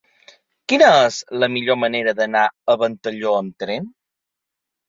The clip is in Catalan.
Quina és la millor manera d'anar a Ventalló amb tren?